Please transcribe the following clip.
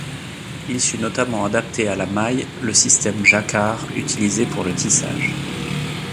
Il sut notamment adapter à la maille le système Jacquard utilisé pour le tissage.